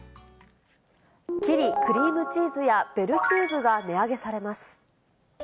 キリクリームチーズやベルキューブが値上げされます。